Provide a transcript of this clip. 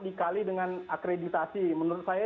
dikali dengan akreditasi menurut saya